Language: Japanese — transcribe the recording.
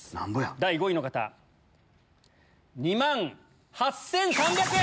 第５位の方２万８３００円。